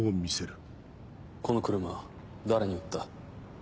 この車誰に売った？